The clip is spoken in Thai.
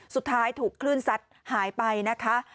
สุดท้ายถูกคลื่นซัดหายไปนะคะ